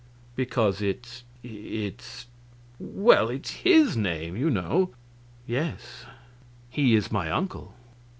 "Because it's it's well, it's his name, you know." "Yes he is my uncle."